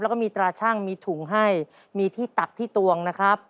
แล้วก็มีตราชั่งมีถุงให้มีที่ตักที่ตวงนะครับ